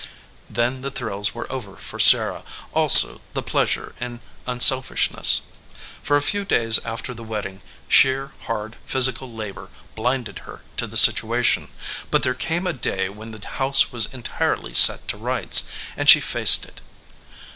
Then the thrills were over for Sarah, also the pleasure in unselfishness. For a few days after the wedding sheer hard physical labor blinded her to the situation, but there came a day when the house was entirely set to rights, and she faced it.